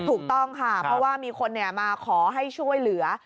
ถูกต้องค่ะเพราะว่ามีคนมาขอให้ช่วยเหลือ